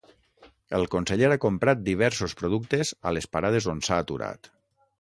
El conseller ha comprat diversos productes a les parades on s'ha aturat.